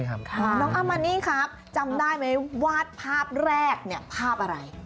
น้องอามานี่ครับจำได้ไหมวาดภาพแรกเนี่ยภาพอะไร